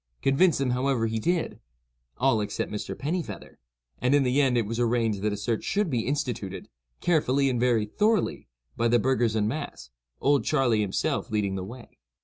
Convince them, however, he did—all except Mr. Pennifeather, and, in the end, it was arranged that a search should be instituted, carefully and very thoroughly, by the burghers en masse, "Old Charley" himself leading the way.